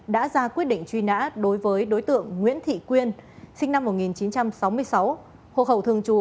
đã ra quyết định truy nã đối với đối tượng nguyễn thị quyên sinh năm một nghìn chín trăm sáu mươi sáu hộ khẩu thường trú